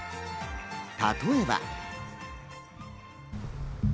例えば。